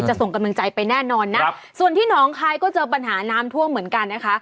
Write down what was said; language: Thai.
ส่งกำลังใจไปแน่นอนนะส่วนที่หนองคายก็เจอปัญหาน้ำท่วมเหมือนกันนะคะ